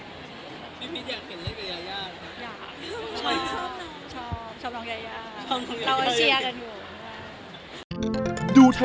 พี่ติ๊กอยากเห็นเล่นกับยายานะ